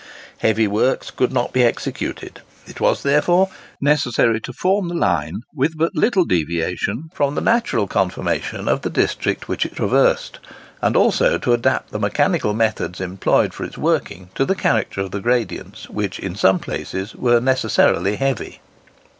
Heavy works could not be executed; it was therefore necessary to form the line with but little deviation from the natural conformation of the district which it traversed, and also to adapt the mechanical methods employed for its working to the character of the gradients, which in some places were necessarily heavy.